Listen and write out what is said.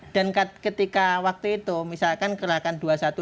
dan ketika waktu itu misalkan kerahkan dua ratus dua belas